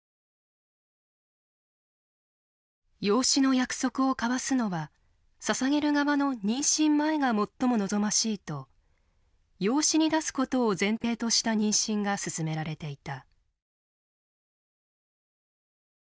「養子の約束を交わすのは捧げる側の妊娠前が最も望ましい」と養子に出すことを前提とした妊娠が勧められていた。